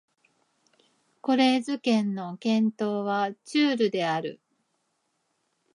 コレーズ県の県都はチュールである